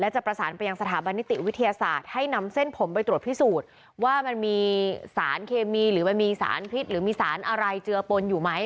จะประสานไปยังสถาบันนิติวิทยาศาสตร์ให้นำเส้นผมไปตรวจพิสูจน์ว่ามันมีสารเคมีหรือมันมีสารพิษหรือมีสารอะไรเจือปนอยู่ไหม